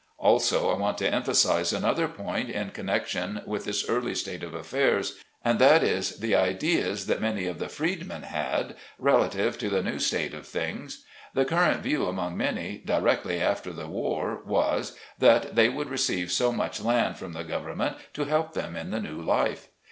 Also, I want to emphasize another point in con nection with this early state of affairs ; and that is, the ideas that many of the freedmen had relative to the new state of things. The current view among many, directly after the war was, that they would receive so much land from the government to help them in the new life.